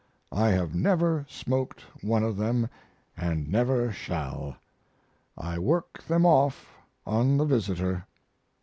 I have never smoked one of them & never shall; I work them off on the visitor.